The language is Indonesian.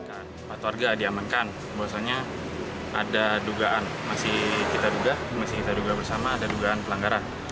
empat warga diamankan bahwasannya ada dugaan masih kita duga bersama ada dugaan pelanggaran